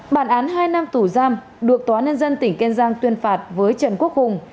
bản án hai năm tù giam được tòa nhân dân tỉnh kiên giang tuyên phạt với trần quốc hùng